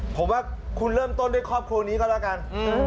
ผมว่าคุณเริ่มต้นด้วยครอบครัวนี้ก็แล้วกัน